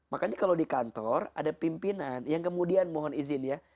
makanya kalau di kantor ada pimpinan yang kemudian mohon izin ya